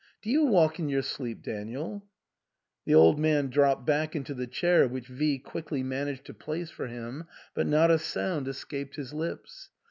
Do you walk in your sleep, Daniel ?" The old man dropped back into the chair which V quickly managed to place for him ; but not a sound escaped his lips.